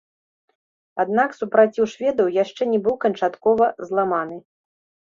Аднак супраціў шведаў яшчэ не быў канчаткова зламаны.